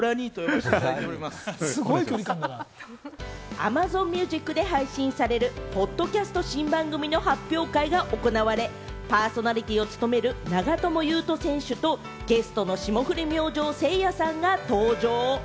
ＡｍａｚｏｎＭｕｓｉｃで配信される、ポッドキャスト新番組の発表会が行われ、パーソナリティーを務める長友佑都選手とゲストの霜降り明星・せいやさんが登場。